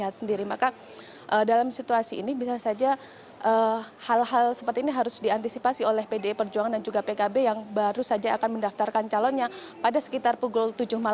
terima kasih banyak ibu